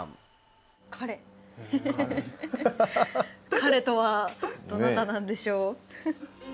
彼とはどなたなんでしょう。